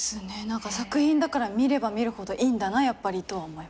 何か作品だから見れば見るほどいいんだなやっぱりとは思います。